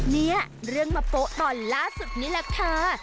เนี่ยเรื่องมาโป๊ะตอนล่าสุดนี่แหละค่ะ